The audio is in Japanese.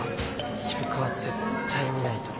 イルカは絶対見ないと。